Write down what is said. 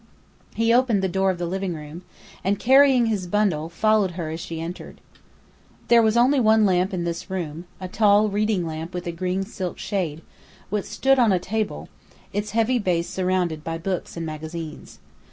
He opened the door of the living room, and, carrying his bundle, followed her as she entered. There was only one lamp in this room, a tall reading lamp with a green silk shade, which stood on a table, its heavy base surrounded by books and magazines.